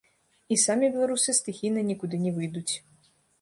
І самі беларусы стыхійна нікуды не выйдуць.